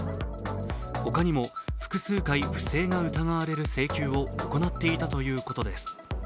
ほかにも複数回、不正が疑われる請求を行っていたということです。